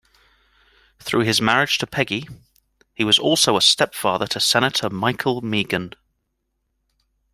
Through his marriage to Peggy, he was also a stepfather to Senator Michael Meighen.